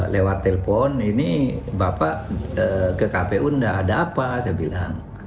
lewat telpon ini bapak ke kpu tidak ada apa saya bilang